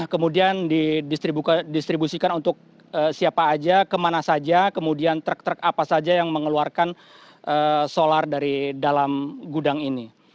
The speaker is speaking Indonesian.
kemudian didistribusikan untuk siapa aja kemana saja kemudian truk truk apa saja yang mengeluarkan solar dari dalam gudang ini